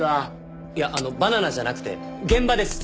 いやあのバナナじゃなくて現場です。